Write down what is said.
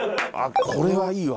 これはいいわ。